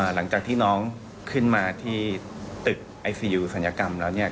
หลังจากที่น้องขึ้นมาที่ตึกไอซียูศัลยกรรมแล้วเนี่ย